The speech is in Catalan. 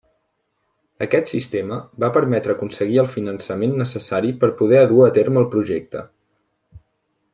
Aquest sistema va permetre aconseguir el finançament necessari per poder dur a terme el projecte.